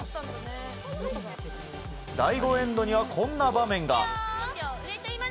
第５エンドにはこんな場面が。